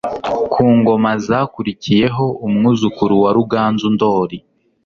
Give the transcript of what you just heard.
Ku Ngoma zakurikiyeho Umwuzukuru wa Ruganzu Ndoli